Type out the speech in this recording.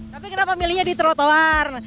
tapi kenapa milihnya di trotoar